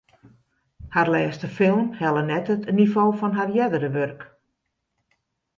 Har lêste film helle net it nivo fan har eardere wurk.